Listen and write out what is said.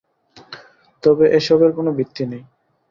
তবে এ-সবের কোনো ভিত্তি নেই।